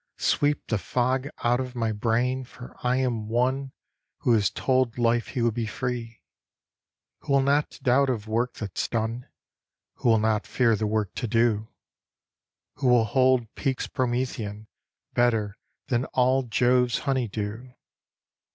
Sweep the fog Out of my brain For I am one Who has told Life he will be free. Who will not doubt of work that's done, Who will not fear the work to do, Who will hold peaks Promethean Better than all Jove's honey dew.